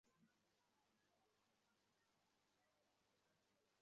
ময়নাতদন্তের জন্য শাহাবুদ্দিনের লাশ রংপুর মেডিকেল কলেজ হাসপাতালের মর্গে রাখা হয়েছে।